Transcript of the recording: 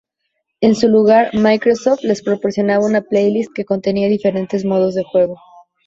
En su lugar, Microsoft les proporcionaba una "playlist", que contenía diferentes modos de juego.